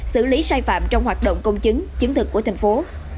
xử lý sai phạm trong hoạt động công chứng chứng thực của thành phố